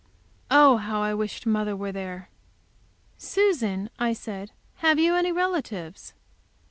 Oh, how I wished mother were there! "Susan," I said, "have you any relatives?"